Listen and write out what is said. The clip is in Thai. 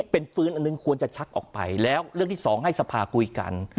เป็นปืนอันหนึ่งควรจะชักออกไปแล้วเรื่องที่สองให้สภาคุยกัน